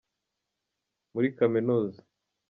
muri kaminuza.